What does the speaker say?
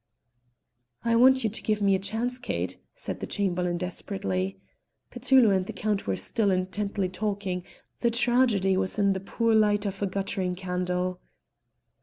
"I want you to give me a chance, Kate," said the Chamberlain desperately. Petullo and the Count were still intently talking; the tragedy was in the poor light of a guttering candle.